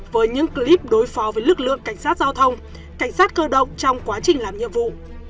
với những clip đối phó với lực lượng cảnh sát giao thông cảnh sát cơ động trong quá trình làm nhiệm vụ